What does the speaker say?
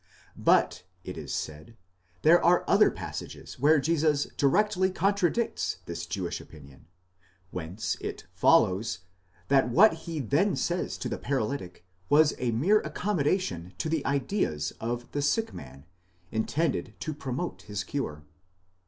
But, it is said, there are other passages where Jesus. directly contradicts this Jewish opinion ; whence it follows, that what he then says to the paralytic was a mere accommodation to the ideas of the sick man, intended to promote his cure.